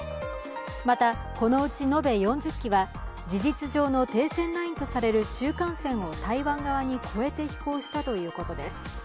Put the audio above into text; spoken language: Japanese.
また、このうち延べ４０機は事実上の停戦ラインとされる中間線を台湾側に越えて飛行したということです。